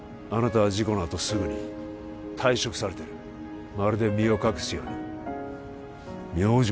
あなたは事故のあとすぐに退職されてるまるで身を隠すように名字まで変えて